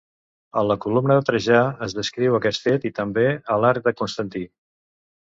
A la columna de Trajà es descriu aquest fet i també a l'arc de Constantí.